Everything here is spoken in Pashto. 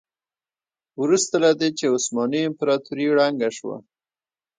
وروسته له دې چې عثماني امپراتوري ړنګه شوه.